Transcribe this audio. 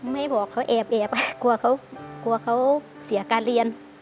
ไม่บอกเขาแอบกลัวเขาเสียการเรียน